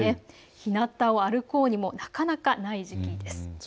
ひなたを歩こうにもなかなかない時期です。